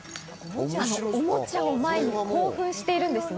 おもちゃの前で興奮してるんですね。